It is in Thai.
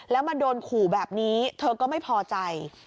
แล้วมาโดนขู่แบบนี้เธอก็ไม่พอใจ